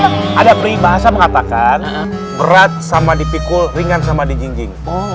wah ada pri bahasa mengatakan berat sama dipikul ringan sama dijinjing